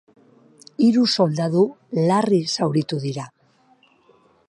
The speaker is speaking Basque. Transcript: Hiru soldadu larri zauritu dira.